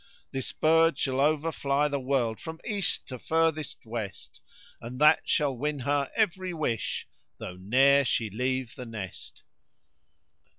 This bird shall overfly the world from east to furthest west * And that shall win her every wish though ne'er she leave the nest.